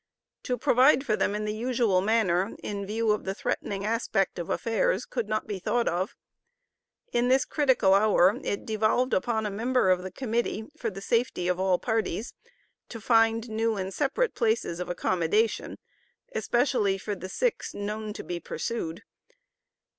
To provide for them in the usual manner, in view of the threatening aspect of affairs, could not be thought of. In this critical hour it devolved upon a member of the Committee, for the safety of all parties, to find new and separate places of accommodation, especially for the six known to be pursued.